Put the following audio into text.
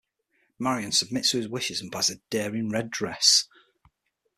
Marian submits to his wishes and buys a daring red dress.